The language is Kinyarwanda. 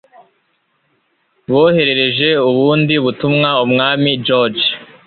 Boherereje ubundi butumwa Umwami George